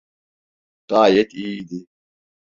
Gayet iyiydi.